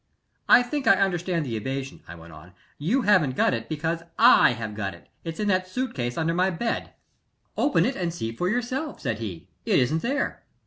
"I think I understand the evasion," I went on. "You haven't got it because I have got it it's in that suit case under my bed." "Open it and see for yourself," said he. "It isn't there."